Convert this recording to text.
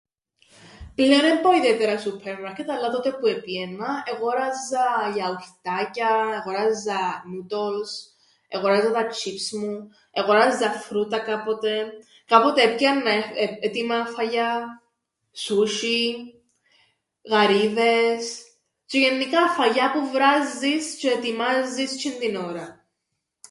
Πλέον εν πάω ιδιαίτερα σούππερμαρκετ αλλά τότε που επήαιννα, εγόραζα γιαουρτάκια, εγόραζα noodles, εγόραζα τα τσ̆ιπς μου, εγόραζα φρούτα κάποτε. Κάποτε έπιαννα έτοιμα φαγιά, σούσ̆ι, γαρίδες τžαι γεννικά φαγιά που βράζεις τžαι ετοιμάζεις τžείντην ώραν.